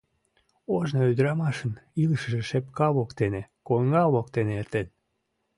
Ожно ӱдырамашын илышыже шепка воктене, коҥга воктене эртен.